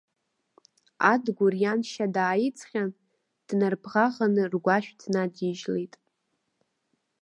Адгәыр ианшьа дааиҵҟьан, днарбӷаӷаны ргәашә днадижьлеит.